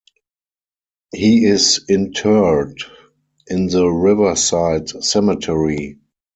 He is interred in the Riverside Cemetery.